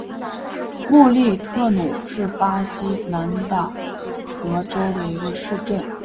穆利特努是巴西南大河州的一个市镇。